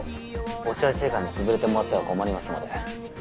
落合製菓につぶれてもらっては困りますので。